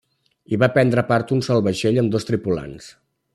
Hi va prendre part un sol vaixell amb dos tripulants.